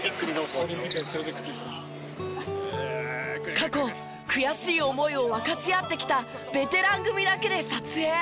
過去悔しい思いを分かち合ってきたベテラン組だけで撮影。